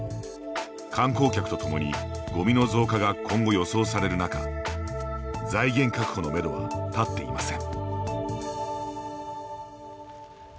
観光客と共に、ゴミの増加が今後予想される中財源確保のめどは立っていません。